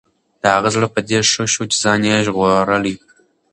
د هغه زړه په دې ښه شو چې ځان یې ژغورلی.